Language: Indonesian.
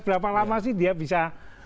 berapa lama sih dia bisa